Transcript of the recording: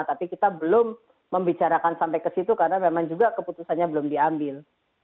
tapi kita belum membicarakan sampai ke situ karena memang juga keputusannya belum diambil